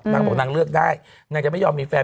นางบอกนางเลือกได้นางจะไม่ยอมมีแฟน